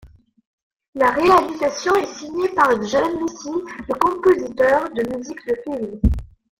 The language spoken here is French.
La réalisation est signée par Jean Musy le compositeur de musiques de films.